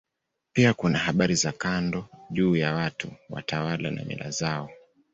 Pia kuna habari za kando juu ya watu, watawala na mila zao.